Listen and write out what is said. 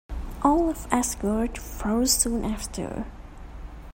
All of Asgard falls soon after.